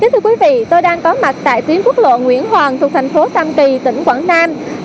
thưa quý vị tôi đang có mặt tại tuyến quốc lộ nguyễn hoàng thuộc thành phố tam kỳ tỉnh quảng nam